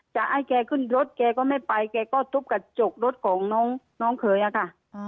จะให้แกขึ้นรถแกก็ไม่ไปแกก็ทุบกระจกรถของน้องเขยอะค่ะ